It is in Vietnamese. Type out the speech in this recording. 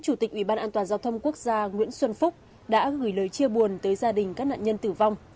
chủ tịch ủy ban an toàn giao thông quốc gia nguyễn xuân phúc đã gửi lời chia buồn tới gia đình các nạn nhân tử vong